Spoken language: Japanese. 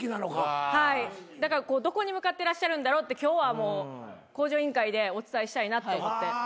はいだからどこに向かってらっしゃるんだろうって今日はもう『向上委員会』でお伝えしたいなと思って。